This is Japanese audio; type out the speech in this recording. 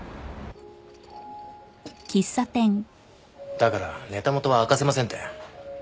だからネタ元は明かせませんって。